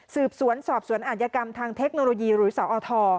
สืบสวนสอบสวนอาจยกรรมทางเทคโนโลยีหรือสอท